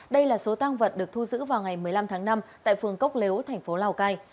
đây là số tăng vật được thu giữ vào ngày một mươi năm tháng năm tại phường cốc lếu thành phố lào cai